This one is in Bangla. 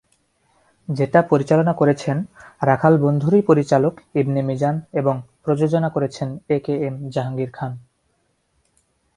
যেটা পরিচালনা করেছেন ""রাখাল বন্ধু""র -ই পরিচালক ইবনে মিজান এবং প্রযোজনা করেছেন এ কে এম জাহাঙ্গীর খান।